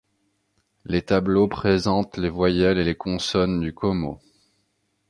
Les tableaux présentent les voyelles et les consonnes du komo.